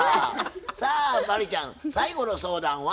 さあ真理ちゃん最後の相談は？